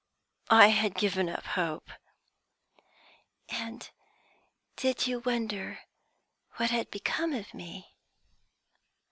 "I had given up hope." "And did you wonder what had become of me?"